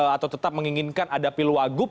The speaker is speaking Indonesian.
atau tetap menginginkan ada pilwagup